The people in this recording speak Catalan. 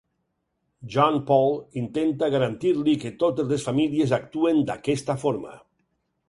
John Paul intenta garantir-li que totes les famílies actuen d"aquesta forma.